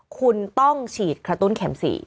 คุณต้องฉีดกระตุ้นเข็ม๔